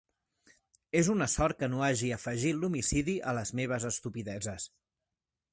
És una sort que no hagi afegit l'homicidi a les meves estupideses.